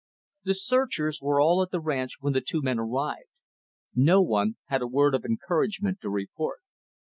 The searchers were all at the ranch when the two men arrived. No one had a word of encouragement to report.